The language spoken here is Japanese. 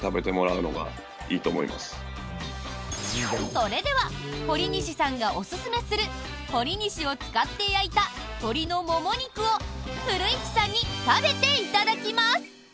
それでは堀西さんがおすすめするほりにしを使って焼いた鶏のもも肉を古市さんに食べていただきます！